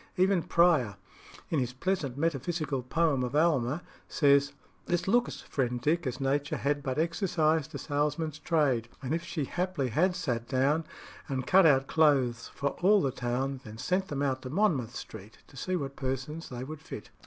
Even Prior, in his pleasant metaphysical poem of "Alma," says "This looks, friend Dick, as Nature had But exercised the salesman's trade, As if she haply had sat down And cut out clothes for all the town, Then sent them out to Monmouth Street, To try what persons they would fit."